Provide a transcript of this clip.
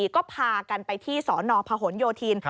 ก็พากันไปที่สนพหนโยธิน